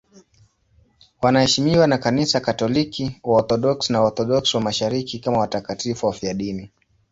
Wanaheshimiwa na Kanisa Katoliki, Waorthodoksi na Waorthodoksi wa Mashariki kama watakatifu wafiadini.